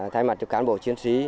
thay mặt cho cán bộ chiến sĩ